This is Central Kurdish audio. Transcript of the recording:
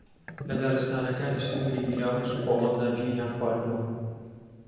لە دارستانەکانی سنووری بیلاڕووس و پۆڵەندا گیریان خواردووە